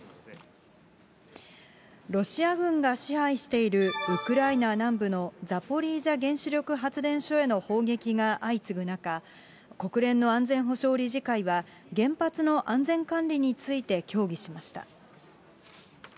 ロシア軍が支配しているウクライナ南部のザポリージャ原子力発電所への砲撃が相次ぐ中、国連の安全保障理事会は、原発の安全管理について協議しました。